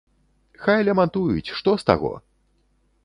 Хай лямантуюць, што з таго?!